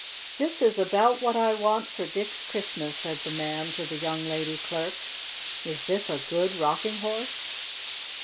"This is about what I want for Dick's Christmas," said the man to the young lady clerk. "Is this a good Rocking Horse?"